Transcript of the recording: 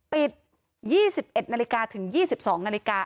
ปิด๒๑นาฬิกาถึง๒๒นาฬิกา